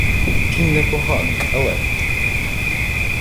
Кінь непоганий, але.